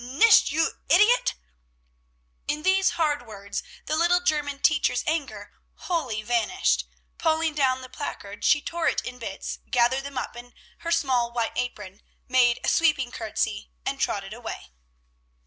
nicht, you idiotte!" In these hard words the little German teacher's anger wholly vanished; pulling down the placard, she tore it in bits, gathered them up in her small white apron, made a sweeping courtesy, and trotted away.